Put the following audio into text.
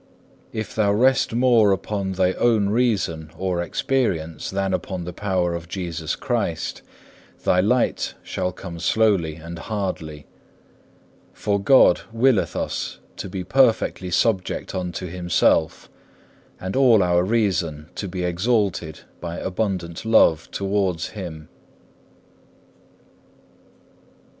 If thou rest more upon thy own reason or experience than upon the power of Jesus Christ, thy light shall come slowly and hardly; for God willeth us to be perfectly subject unto Himself, and all our reason to be exalted by abundant love towards Him.